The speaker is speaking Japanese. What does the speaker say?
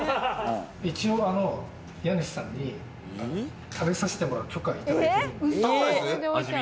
一応家主さんに食べさせてもらう許可いただいてるんです。